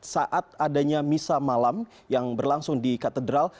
saat adanya misa malam yang berlangsung di katedral